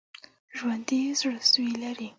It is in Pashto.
ژوندي زړسوي لري